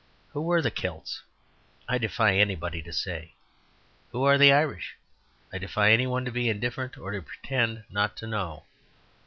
Who were the Celts? I defy anybody to say. Who are the Irish? I defy any one to be indifferent, or to pretend not to know.